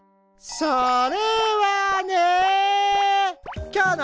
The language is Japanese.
それはね。